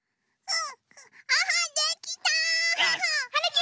うん！